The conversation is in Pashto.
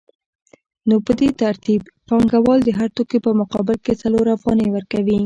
نو په دې ترتیب پانګوال د هر توکي په مقابل کې څلور افغانۍ ورکوي